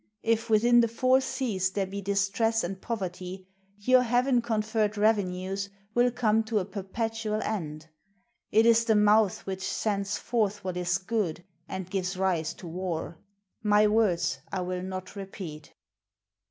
If within the four seas there be distress and poverty, your Heaven conferred revenues will come to a perpetual end. It is the mouth which sends forth what is good, and gives rise to war. My words I will not repeat."